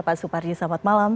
pak suparji selamat malam